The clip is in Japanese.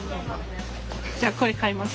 じゃあこれ買います。